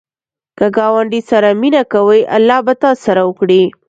که ګاونډي سره مینه کوې، الله به تا سره وکړي